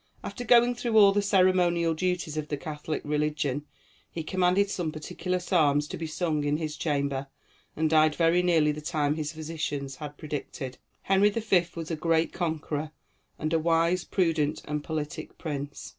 After going through all the ceremonial duties of the Catholic religion, he commanded some particular psalms to be sung in his chamber, and died very nearly the time his physicians had predicted. Henry V. was a great conqueror, and a wise, prudent, and politic prince.